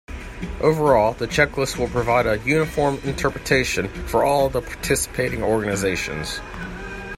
Overall, the checklist will provide a uniform interpretation for all of participating organizations.